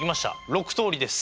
６通りです。